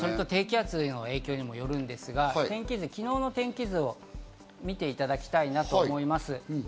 低気圧の影響にもよるんですが、昨日の天気図を見ていただきたいなと思います。